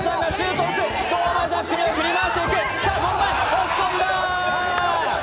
押し込んだ！